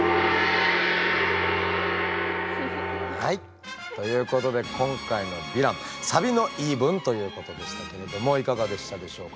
はいということで今回のヴィランサビの言い分ということでしたけれどもいかがでしたでしょうか。